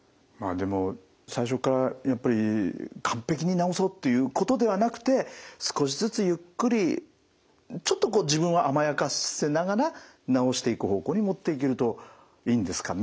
でも最初っからやっぱり完璧に治そうっていうことではなくて少しずつゆっくりちょっと自分を甘やかせながら治していく方向に持っていけるといいんですかね。